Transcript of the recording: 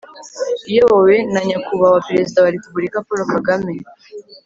iyobowe na nyakubahwa perezida wa repubulika, paul kagame